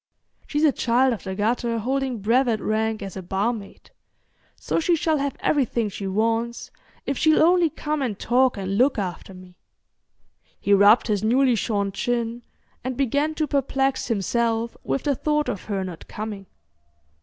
She's a child of the gutter holding brevet rank as a barmaid; so she shall have everything she wants if she'll only come and talk and look after me." He rubbed his newly shorn chin and began to perplex himself with the thought of her not coming.